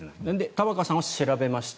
玉川さんは調べました。